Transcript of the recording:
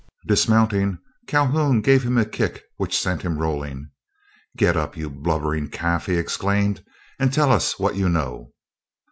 Dismounting Calhoun gave him a kick which sent him rolling. "Get up, you blubbering calf," he exclaimed, "and tell us what you know."